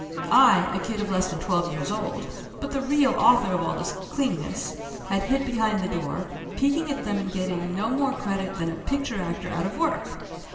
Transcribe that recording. I, a kid of less than twelve years old, but the real author of all this cleanness, had hid behind the door, peeking at them and getting no more credit than a picture actor out of work